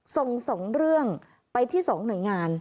ส่งสองเรื่องไปที่สองหน่อยงาน